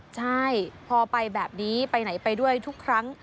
ใช่พอไปแบบนี้ไปไหนไปด้วยทุกครั้ง